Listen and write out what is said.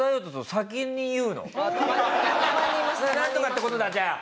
「なんとかって事だじゃあ。